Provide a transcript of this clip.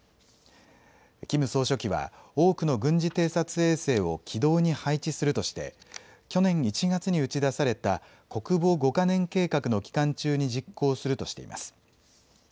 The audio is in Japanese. キム総書記は多くの軍事偵察衛星を軌道に配置するとして去年１月に打ち出された国防５か年計画の期間中に実行するとしています。